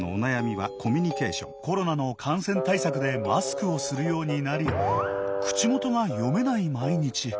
コロナの感染対策でマスクをするようになり口元が読めない毎日。